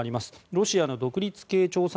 ロシアの独立系調査